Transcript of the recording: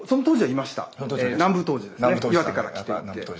岩手から来ていて。